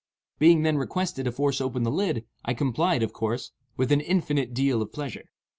Being then requested to force open the lid, I complied, of course, "with an infinite deal of pleasure."